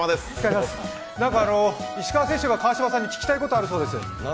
石川選手が川島さんに聞きたいことあるそうです。